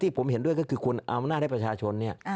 ที่ผมเห็นด้วยก็คือคุณอำนาจริงประชาชนเนี่ย